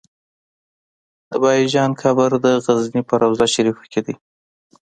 د بهايي جان قبر د غزنی په روضه شريفه کی دی